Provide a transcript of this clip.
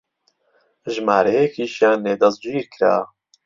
ژمارەیەکیشیان لێ دەستگیر کرا